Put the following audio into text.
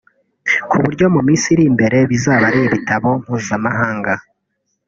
ku buryo mu minsi iri imbere bizaba ari ibitaro mpuzamahanga